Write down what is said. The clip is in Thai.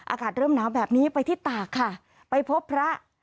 อากาศเริ่มหนาวแบบนี้ไปที่ตากค่ะไปพบพระ